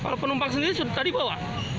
kalau penumpang sendiri sudah tadi bawa